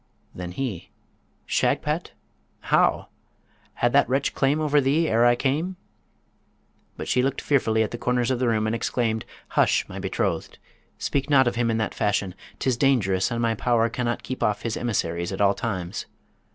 Then he: 'Shagpat? How? had that wretch claim over thee ere I came?' But she looked fearfully at the corners of the room and exclaimed, 'Hush, my betrothed! speak not of him in that fashion, 'tis dangerous; and my power cannot keep off his emissaries at all times.'